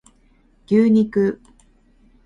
牛肉